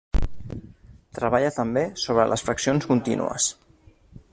Treballa també sobre les fraccions contínues.